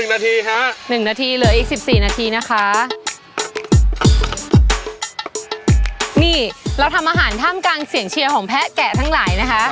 นี่เราทำอาหารท่ามกลางเสียงเชียร์ของแพะแกะทั้งหลายนะคะ